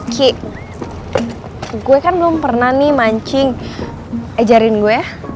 ki gue kan belum pernah nih mancing ajarin gue